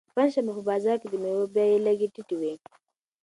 پنجشنبه په بازار کې د مېوو بیې لږې ټیټې وي.